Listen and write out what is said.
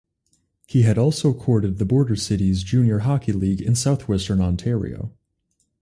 He had also courted the Border Cities Junior Hockey League in Southwestern Ontario.